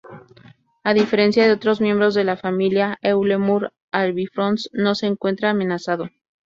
A diferencia de otros miembros de la familia, "Eulemur albifrons" no se encuentra amenazado.